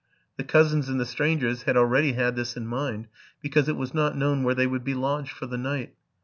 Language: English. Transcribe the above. '' The cousins and the strangers had already had this in mind, because it was not known where they would be lodged for the night.